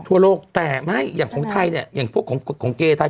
ทั่วโลกแต่ไม่อย่างของไทยเนี่ยอย่างพวกของเกย์ไทย